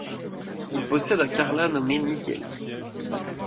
Il possède un carlin nommé Nigel.